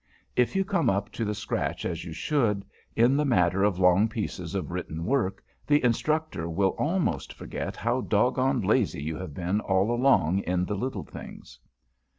If you come up to the scratch as you should, in the matter of long pieces of written work, the Instructor will almost forget how dog goned lazy you have been all along in the little things.